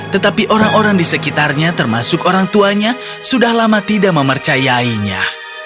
tetapi orang orang di sekitarnya termasuk orang tuanya sudah lama tidak mempercayainya